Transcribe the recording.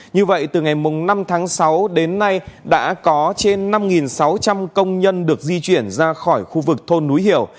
như vậy từ ngày năm tháng sáu đến nay đã có trên năm sáu trăm linh công nhân được di chuyển ra khỏi khu vực thôn núi hiểu